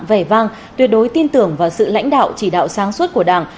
vẻ vang tuyệt đối tin tưởng vào sự lãnh đạo chỉ đạo sáng suốt của đảng